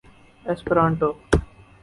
Esperanto